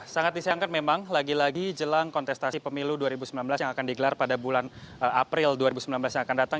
sangat disayangkan memang lagi lagi jelang kontestasi pemilu dua ribu sembilan belas yang akan digelar pada bulan april dua ribu sembilan belas yang akan datang